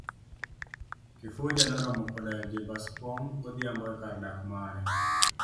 kifuja noromo koda Chebaskwony godhiambo ekar dak mare.